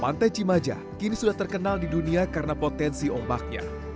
pantai cimaja kini sudah terkenal di dunia karena potensi ombaknya